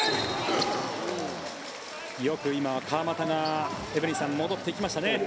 よく今、川真田がエブリンさん戻っていきましたね。